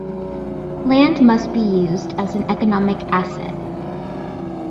Land must be used as economic asset.